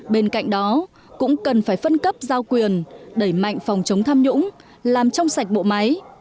bên cạnh đó cũng cần phải phân cấp giao quyền đẩy mạnh phòng chống tham nhũng làm trong sạch bộ máy